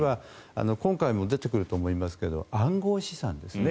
今回も出てくると思いますが暗号資産ですね。